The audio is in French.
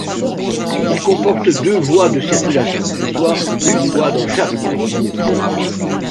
Il comporte deux voies de circulation soit une voie dans chaque direction.